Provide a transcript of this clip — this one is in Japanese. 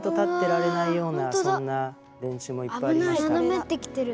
斜めってきてる。